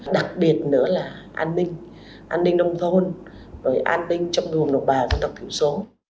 đặc biệt nữa là an ninh an ninh nông thôn an ninh trong vùng đồng bào dân tộc thiểu số